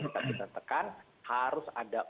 bisa kita tekan harus ada